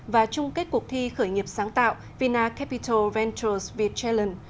và trung kết cuộc thi khởi nghiệp sáng tạo vina capital ventures vietchelen